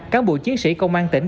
các bộ chiến sĩ công an tỉnh